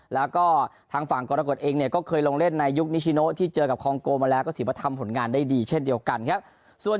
แล้วก็ทางฝั่งกรกฎเองเนี่ยก็เคยลงเล่นในยุคนิชิโนที่เจอกับคองโกมาแล้วก็ถือว่าทำผลงานได้ดีเช่นเดียวกันครับ